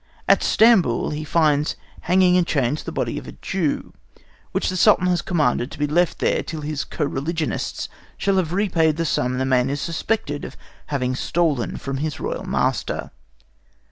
At Stamboul he finds hanging in chains the body of a Jew, which the Sultan has commanded to be left there till his co religionists shall have repaid the sum that the man is suspected of having stolen from his royal master.